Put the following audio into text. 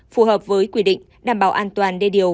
phù hợp với quy định đảm bảo an toàn đê điều